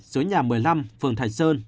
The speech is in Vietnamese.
số nhà một mươi năm phường thạch sơn